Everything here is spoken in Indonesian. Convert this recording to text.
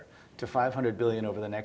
dalam lima tahun yang akan datang